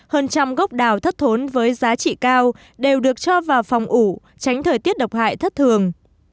hơn trăm gốc đào thất thốn với giá trị cao đều được cho vào phòng ủ tránh thời tiết độc hại thất thường